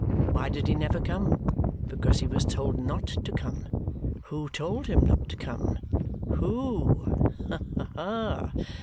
Why did he never come? Because he was told not to come. Who told him not to come? Who? Ha, ha!